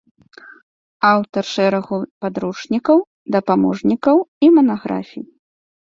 Аўтар шэрагу падручнікаў, дапаможнікаў і манаграфій.